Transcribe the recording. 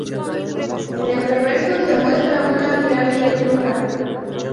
En el reverso se muestra una pirámide trunca.